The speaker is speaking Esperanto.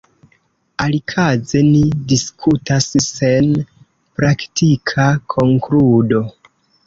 Alikaze ni diskutas sen praktika konkludo.